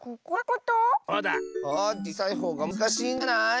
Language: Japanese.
ちいさいほうがむずかしいんじゃない？